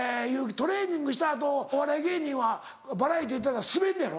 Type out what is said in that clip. トレーニングした後お笑い芸人はバラエティー出たらスベんねやろ？